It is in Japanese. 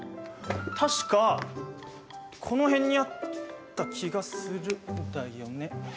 確かこの辺にあった気がするんだよね。